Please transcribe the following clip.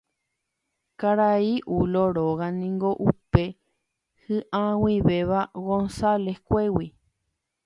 Karai Ulo róga niko upe hi'ag̃uivéva González-kuégui.